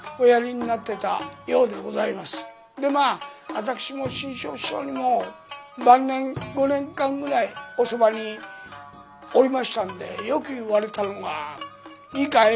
私も志ん生師匠にも晩年５年間ぐらいおそばにおりましたんでよく言われたのが「いいかい？